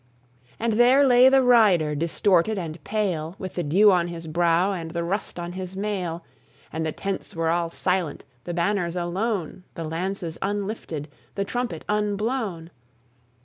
And there lay the rider distorted and pale, With the dew on his brow, and the rust on his mail, And the tents were all silent, the banners alone, The lances unlifted, the trumpet unblown.